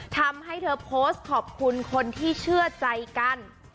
ทำให้เธอโพสต์ขอบคุณคนที่เชื่อใจกัน